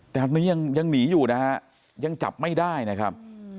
แต่ตอนนี้ยังหนีอยู่นะฮะยังจับไม่ได้นะครับ